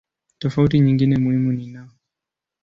Tofauti nyingine muhimu ni no.